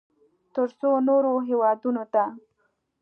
ترڅو نورو هېوادونو ته